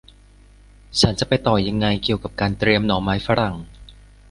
ฉันจะไปต่อยังไงเกี่ยวกับการเตรียมหน่อไม้ฝรั่ง